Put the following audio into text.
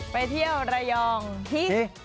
ไปเที่ยวระยองฮิ